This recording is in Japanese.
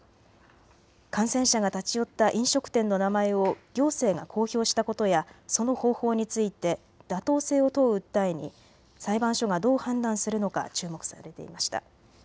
感染者が立ち寄った飲食店の名前を行政が公表したことやその方法について妥当性を問う訴えに裁判所がどう判断するのか注目されていました。